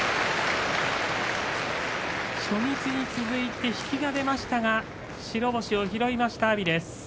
初日に続いて引きが出ましたが白星を拾いました阿炎です。